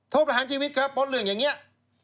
โทษประหารชีวิตครับปลดเรื่องอย่างเนี้ย